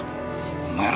お前ら！